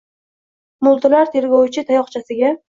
Mo’ltirar tergovchi tayoqchasiga —